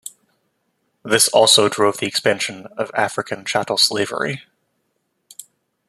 This also drove the expansion of African chattel slavery.